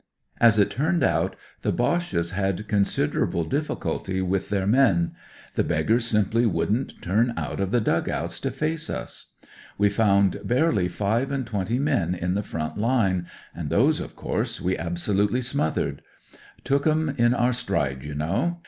As it turned out, lie Bcxhes had considerable difficulty wit> ihiAv men. The beggars simply wouldn't turn out of the dug outs to face us. We found barely five and twenty men in the front line, and those, of course, we absolutely smothered ; took 'em in our stride, you know.